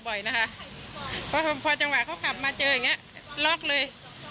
บ่อยนะคะเพราะพอจังหวะเขาขับมาเจออย่างเงี้ยล็อกเลย